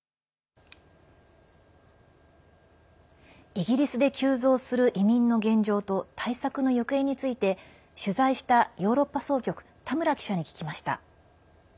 イギリスで急増する移民の現状と対策の行方について取材したヨーロッパ総局田村記者に聞きました。